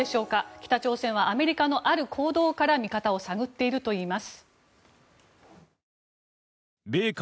北朝鮮はアメリカのある行動から見方を探っているといいます。